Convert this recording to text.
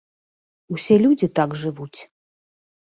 Усе людзі так жывуць.